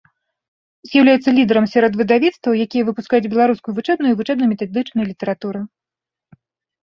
З'яўляецца лідарам сярод выдавецтваў, якія выпускаюць беларускую вучэбную і вучэбна-метадычную літаратуру.